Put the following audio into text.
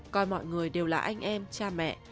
coi mọi người đều là anh em cha mẹ